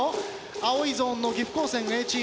青いゾーンの岐阜高専Ａチーム。